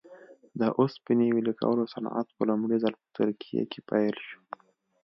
د اوسپنې ویلې کولو صنعت په لومړي ځل په ترکیه کې پیل شو.